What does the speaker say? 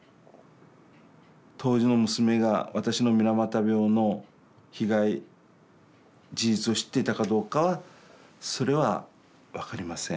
当時の娘が私の水俣病の被害事実を知っていたかどうかはそれは分かりません。